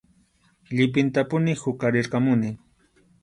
Llipintapuni huqarirqamuni.